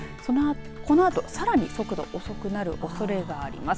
このあとさらに速度遅くなるおそれがあります。